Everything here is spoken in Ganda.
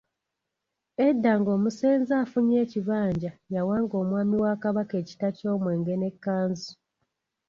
Edda ng’omusenze afunye ekibanja yawanga Omwami wa Kabaka ekita ky’Omwenge n’e Kkanzu.